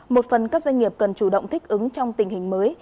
một phần các doanh nghiệp cần chủ động thích ứng trong tình hình mới